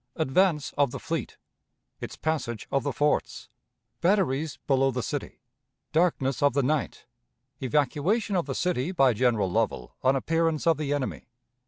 Advance of the Fleet. Its Passage of the Forts. Batteries below the City. Darkness of the Night. Evacuation of the City by General Lovell on Appearance of the Enemy.